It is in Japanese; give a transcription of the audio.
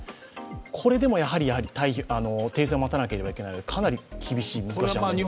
これでもやはり停戦を待たなければいけない、かなり厳しい、難しい問題ですね。